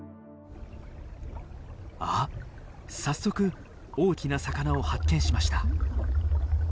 あっ早速大きな魚を発見しました。